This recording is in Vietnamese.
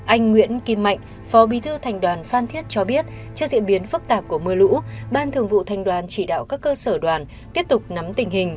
anh nguyễn kim mạnh phó bí thư thành đoàn phan thiết cho biết trước diễn biến phức tạp của mưa lũ ban thường vụ thành đoàn chỉ đạo các cơ sở đoàn tiếp tục nắm tình hình